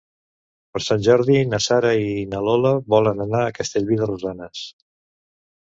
Per Sant Jordi na Sara i na Lola volen anar a Castellví de Rosanes.